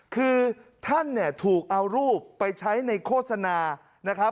คือท่านถูกเอารูปไปใช้ในโฆษณา